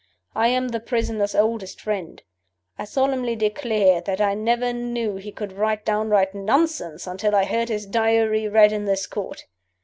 I am the prisoner's oldest friend. I solemnly declare that I never knew he could write downright nonsense until I heard his Diary read in this Court!